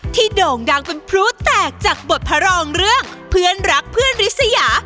โด่งดังเป็นพลุแตกจากบทพระรองเรื่องเพื่อนรักเพื่อนฤษยา